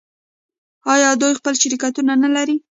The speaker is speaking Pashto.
آیا دوی خپل شرکتونه نلري؟